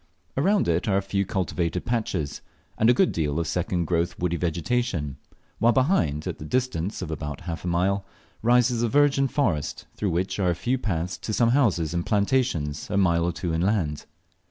Around it are a few cultivated patches, and a good deal of second growth woody vegetation; while behind, at the distance of about half a mile, rises the virgin forest, through which are a few paths to some houses and plantations a mile or two inland.